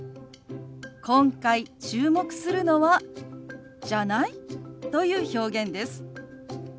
今回注目するのは「じゃない？」という表現です。